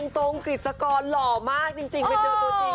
ตรงกฤษกรหล่อมากจริงไปเจอตัวจริง